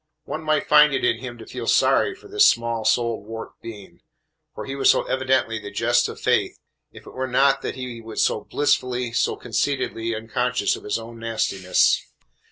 One might find it in him to feel sorry for this small souled, warped being, for he was so evidently the jest of Fate, if it were not that he was so blissfully, so conceitedly, unconscious of his own nastiness.